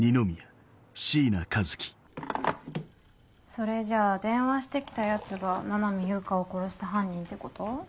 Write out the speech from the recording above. それじゃあ電話してきたヤツが七海悠香を殺した犯人ってこと？